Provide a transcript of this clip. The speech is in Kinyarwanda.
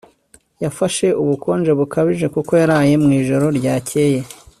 Yafashe ubukonje bukabije kuko yaraye mu ijoro ryakeye